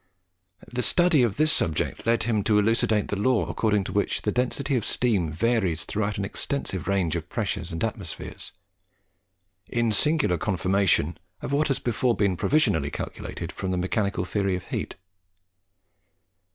The study of this subject led him to elucidate the law according to which the density of steam varies throughout an extensive range of pressures and atmospheres, in singular confirmation of what had before been provisionally calculated from the mechanical theory of heat.